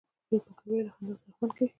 پکورې له خندا سره خوند کوي